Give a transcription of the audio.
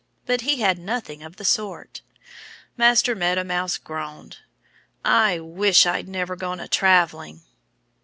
But he had nothing of the sort. Master Meadow Mouse groaned. "I wish I'd never gone a traveling!"